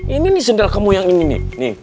ini nih sendera kamu yang ini nih